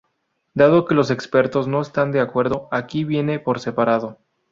Dado que los expertos no están de acuerdo, aquí viene por separado.